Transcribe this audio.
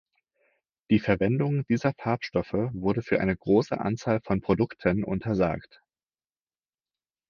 Die Verwendung dieser Farbstoffe wurde für eine große Anzahl von Produkten untersagt.